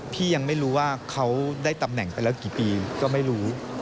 ยังไม่รู้ว่าเขาได้ตำแหน่งไปแล้วกี่ปีก็ไม่รู้